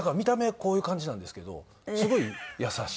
こういう感じなんですけどすごい優しい。